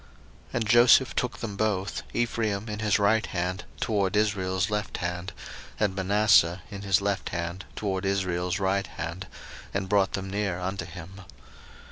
01:048:013 And Joseph took them both, Ephraim in his right hand toward Israel's left hand, and Manasseh in his left hand toward Israel's right hand, and brought them near unto him.